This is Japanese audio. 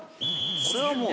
これはもう。